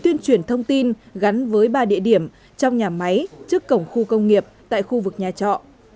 tuyên truyền thông tin gắn với ba địa điểm trong nhà máy trước cổng khu công nghiệp tại khu vực nhà trọ